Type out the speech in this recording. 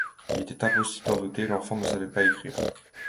Il était impossible d'en douter; l'enfant ne savait pas écrire.